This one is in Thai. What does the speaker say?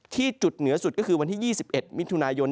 ที่จุดเหนือสุดก็คือวันที่๒๑มิถุนายน